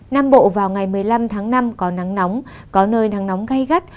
nam bộ vào ngày một mươi năm tháng năm có nắng nóng có nơi nắng nóng gây gắt